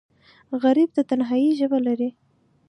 غریب د تنهایۍ ژبه لري